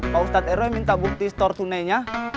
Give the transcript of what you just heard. pak ustadz eroi minta bukti stortunenya